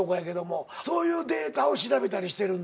そういうデータを調べたりしてるんだ。